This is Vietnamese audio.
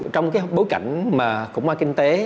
trong bối cảnh khủng hoa kinh tế